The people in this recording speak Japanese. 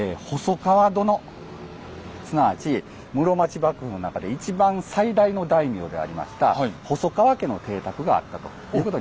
すなわち室町幕府の中で一番最大の大名でありました細川家の邸宅があったということになります。